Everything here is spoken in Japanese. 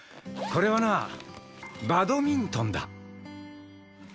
これはなバドミントンだ。